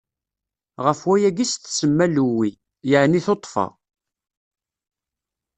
Ɣef wayagi i s-tsemma Lewwi, yeɛni tuṭṭfa.